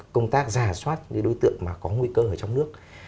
công tác giả soát những đối tượng mà có nguy cơ ở trong nước